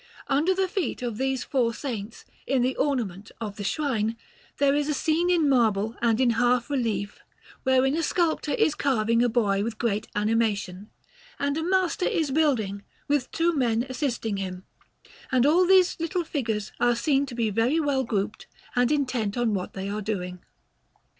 Under the feet of these four saints, in the ornament of the shrine, there is a scene in marble and in half relief, wherein a sculptor is carving a boy with great animation, and a master is building, with two men assisting him; and all these little figures are seen to be very well grouped and intent on what they are doing.